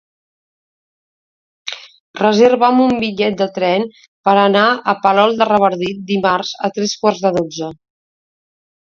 Reserva'm un bitllet de tren per anar a Palol de Revardit dimarts a tres quarts de dotze.